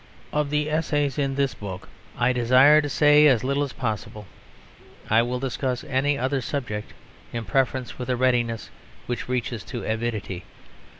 Of the essays in this book I desire to say as little as possible; I will discuss any other subject in preference with a readiness which reaches to avidity.